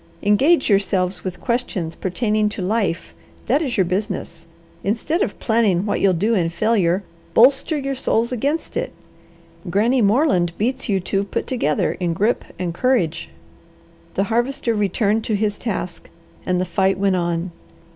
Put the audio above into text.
Engage yourselves with questions pertaining to life; that is your business. Instead of planning what you'll do in failure, bolster your souls against it. Granny Moreland beats you two put together in grip and courage." The Harvester returned to his task, and the fight went on.